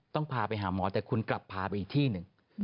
ต้องพาไปหาหมอแต่คุณกลับพาไปอีกที่หนึ่ง